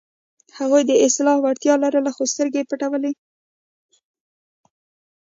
هغوی د اصلاح وړتیا لرله، خو سترګې یې پټولې.